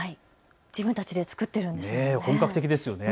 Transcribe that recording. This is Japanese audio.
自分たちで作ってるんですね。